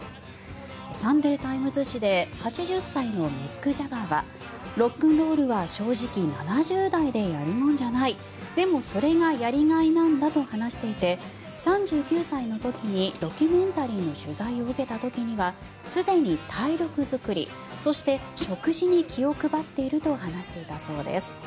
サンデー・タイムズ紙で８０歳のミック・ジャガーはロックンロールは正直７０代でやるもんじゃないでもそれがやりがいなんだと話していて３９歳の時にドキュメンタリーの取材を受けた時にはすでに体力作り、そして食事に気を配っていると話していたそうです。